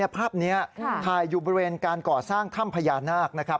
ภาพนี้ถ่ายอยู่บริเวณการก่อสร้างถ้ำพญานาคนะครับ